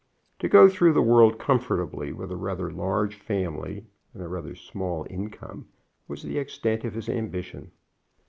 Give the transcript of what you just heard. To go through the world comfortably with a rather large family and a rather small income was the extent of his ambition.